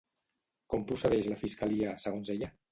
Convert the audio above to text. Com procedeix la Fiscalia, segons ella?